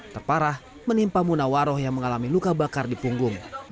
terparah menimpa munawaroh yang mengalami luka bakar di punggung